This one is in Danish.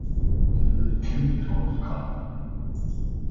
Der lød et kæmpe tordenskrald